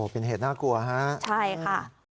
เป็นเหตุน่ากลัวฮะใช่ค่ะ